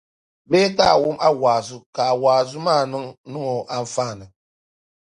Bee ka o wum a wa’azu, ka wa’azu maa niŋ o anfaani?